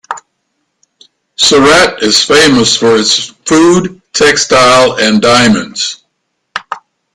Surat is famous for its food, textile, and diamonds.